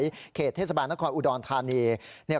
แยกหนองสายเขตเทศบาลนครอุดรธานี